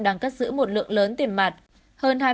đang cất giữ một lượng lớn tiền mặt hơn hai mươi một năm tỷ đồng